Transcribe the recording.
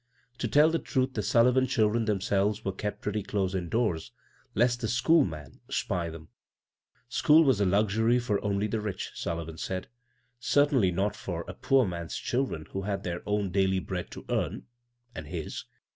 To tell the truth the Sullivan children themselves were kept pretty closely indoors lest the " school man " spy them. School was a luxury for only the rich, Sullivan said — certainly not for 93 h Coog lc CROSS CURRENTS a pckor toan's children who had tbetr own daily Iniead to earn (and bis I).